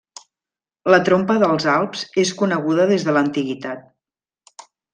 La trompa dels Alps és coneguda des de l'antiguitat.